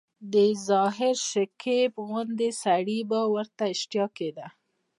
د ظاهر شکیب غوندي سړي به ورته شتیا کېده.